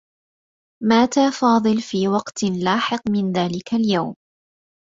مات فاضل في وقت لاحق من ذلك اليوم.